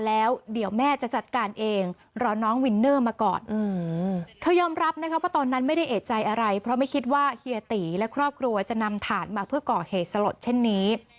พี่ยอมรับนะครับว่าตอนนั้นไม่ได้เอ่ยใจอะไรเพราะไม่คิดว่าเฮียติและครอบครัวจะนำถาดมาเพื่อก่อเหตุสลดเช่นนี้